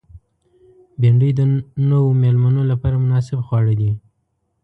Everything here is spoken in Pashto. بېنډۍ د نوو مېلمنو لپاره مناسب خواړه دي